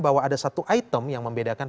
bahwa ada satu item yang membedakan